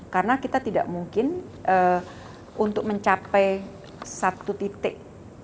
karena kita tidak mungkin untuk mencapai satu titik